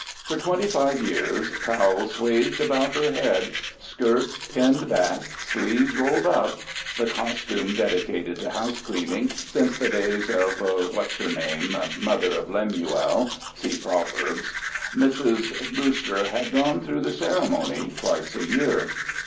For twenty five years, towel swathed about her head, skirt pinned back, sleeves rolled up the costume dedicated to house cleaning since the days of What's Her Name, mother of Lemuel (see Proverbs) Mrs. Brewster had gone through the ceremony twice a year.